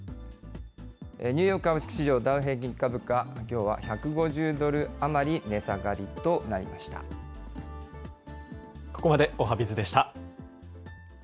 ニューヨーク株式市場、ダウ平均株価、きょうは１５０ドル余り値ここまでおはＢｉｚでした。